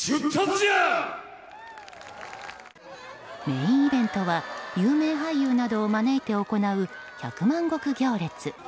メインイベントは有名俳優などを招いて行う百万石行列。